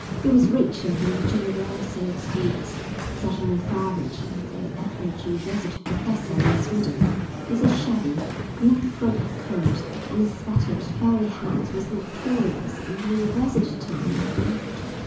He was richer than the generality of Swedes, certainly far richer than the average university professor in Sweden. But his shabby, green frock coat, and his battered, furry hat were notorious in the university town where he lived.